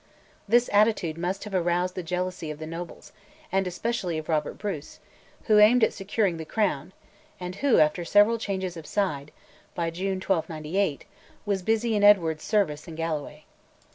This attitude must have aroused the jealousy of the nobles, and especially of Robert Bruce, who aimed at securing the crown, and who, after several changes of side, by June 1298 was busy in Edward's service in Galloway.